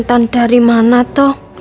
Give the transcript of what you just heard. tante dari mana toh